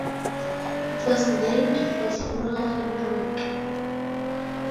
It was named for General Hedrick.